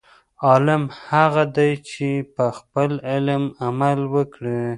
عالم هغه دی، چې په خپل علم عمل وکړي.